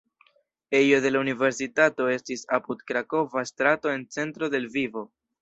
Ejo de la universitato estis apud krakova strato en centro de Lvivo.